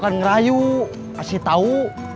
kayu kasih tau